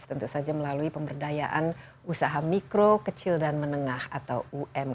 tentu saja melalui pemberdayaan usaha mikro kecil dan menengah atau umkm